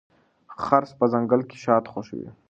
خرس په ځنګل کې شات خوښوي.